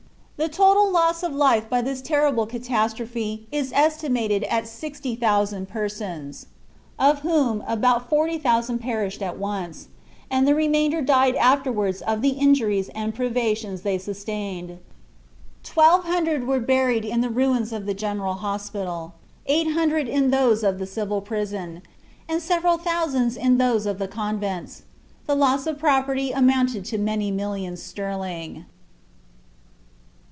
The total loss of life by this terrible catastrophe is estimated at 60,000 persons, of whom about 40,000 perished at once, and the remainder died afterwards of the injuries and privations they sustained. Twelve hundred were buried in the ruins of the general hospital, eight hundred in those of the civil prison, and several thousands in those of the convents. The loss of property amounted to many millions sterling.